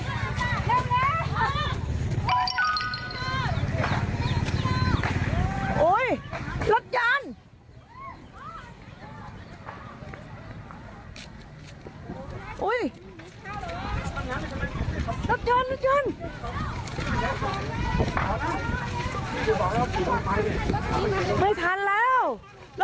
ช่วงเช้าที่ผ่านมานะครับคือเสียงของคนที่ถ่ายคลิปไปด้วยก็